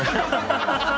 ハハハハ！